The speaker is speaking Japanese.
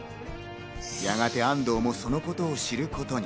やがて安藤もそのことを知ることに。